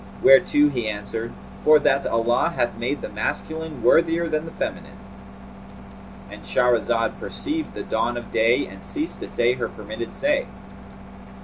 whereto he answered, 'For that Allah hath made the masculine worthier than the feminine,'" —And Shahrazad perceived the dawn of day and ceased to say her permitted say.